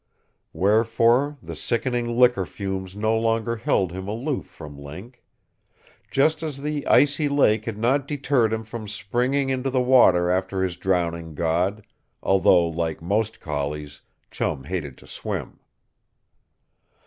Wherefore, the sickening liquor fumes no longer held him aloof from Link. Just as the icy lake had not deterred him from springing into the water after his drowning god, although, like most collies, Chum hated to swim.